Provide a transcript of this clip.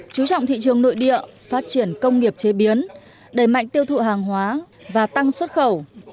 chú trọng thị trường nội địa phát triển công nghiệp chế biến đẩy mạnh tiêu thụ hàng hóa và tăng xuất khẩu